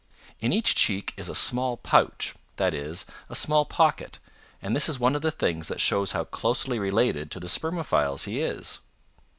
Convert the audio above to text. In each cheek is a small pouch, that is, a small pocket, and this is one of the things that shows how closely related to the Spermophiles he is.